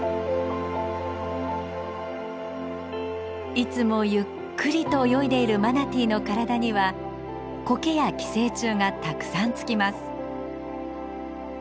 いつもゆっくりと泳いでいるマナティーの体にはこけや寄生虫がたくさん付きます。